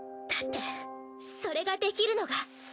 だってそれができるのが。